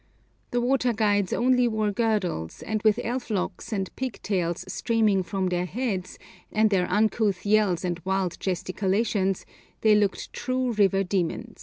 The water guides only wore girdles, and with elf locks and pigtails streaming from their heads, and their uncouth yells and wild gesticulations, they looked true river demons.